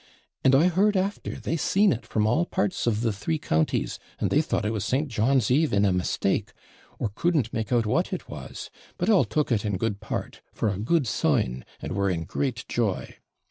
And I heard after, they seen it from all parts of the three counties, and they thought it was St. John's Eve in a mistake or couldn't make out what it was; but all took it in good part, for a good sign, and were in great joy.